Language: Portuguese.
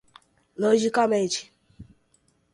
logicamente